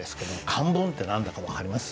漢文って何だか分かります？